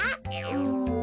うん。